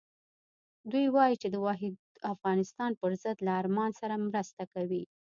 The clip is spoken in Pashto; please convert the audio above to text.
دوی وایي چې د واحد افغانستان پر ضد له ارمان سره مرسته کوي.